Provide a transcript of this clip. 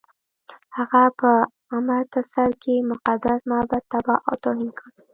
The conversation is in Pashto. هغه په امرتسر کې مقدس معبد تباه او توهین کړ.